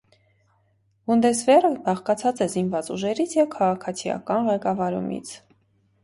Բունդեսվերը բաղկացած է զինված ուժերից և քաղաքացիական ղեկավարումից։